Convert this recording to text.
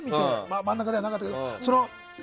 真ん中ではなかったけど。